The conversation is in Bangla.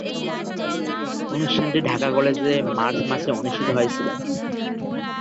অনুষ্ঠানটি ঢাকা কলেজে মার্চ মাসে অনুষ্ঠিত হয়েছিলো।